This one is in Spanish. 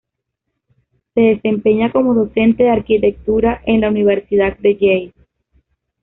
Se desempeña como docente de arquitectura en la Universidad de Yale.